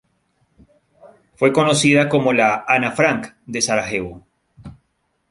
Fue conocida como la ""Ana Frank"" de Sarajevo.